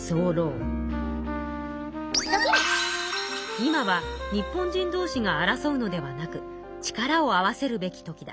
「今は日本人同士が争うのではなく力を合わせるべき時だ」。